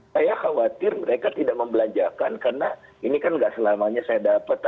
saya khawatir mereka tidak membelanjakan karena ini kan gak selamanya saya dapat